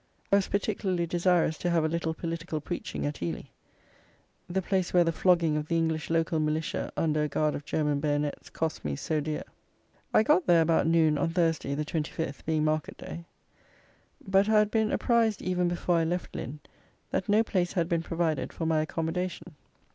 I was particularly desirous to have a little political preaching at Ely, the place where the flogging of the English local militia under a guard of German bayonets cost me so dear. I got there about noon on Thursday, the 25th, being market day; but I had been apprised even before I left Lynn, that no place had been provided for my accommodation.